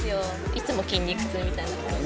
いつも筋肉痛みたいな感じ。